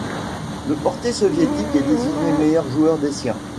Le portier soviétique est désigné meilleur joueur des siens.